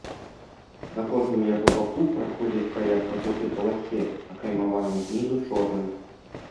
На кожным яго баку праходзіць па ярка-жоўтай паласе, акаймаванай знізу чорным.